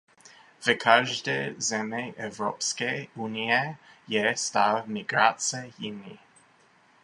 V každé zemi Evropské unie je stav migrace jiný.